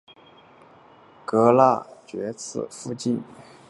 格拉茨附近内施特尔巴赫是奥地利施蒂利亚州格拉茨城郊县的一个市镇。